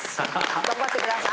頑張ってください。